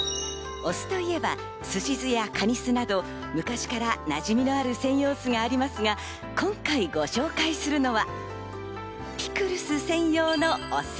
お酢といえば、すし酢やかに酢など、昔からなじみのある専用酢がありますが、今回ご紹介するのはピクルス専用のお酢。